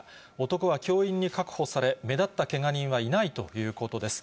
男は教員に確保され、目立ったけが人はいないということです。